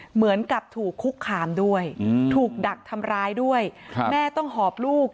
เหมือนกับถูกคุกคามด้วยถูกดักทำร้ายด้วยแม่ต้องหอบลูก